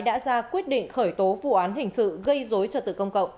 đã ra quyết định khởi tố vụ án hình sự gây dối trật tự công cộng